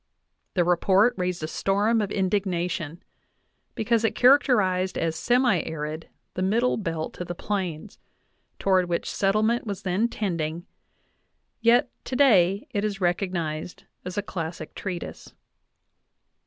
The Report raised a storm of indignation,"' because it characterized as semi arid the middle belt of the Plains, toward which settlement was then tending, yet today it is recognized as a classic treatise.